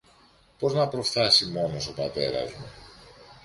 πώς θα προφθάσει μόνος ο πατέρας μου